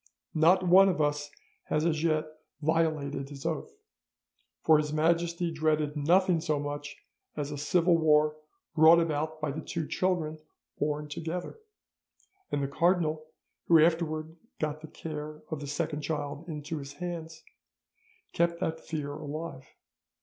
"'Not one of us has as yet violated his oath; for His Majesty dreaded nothing so much as a civil war brought about by the two children born together, and the cardinal, who afterwards got the care of the second child into his hands, kept that fear alive.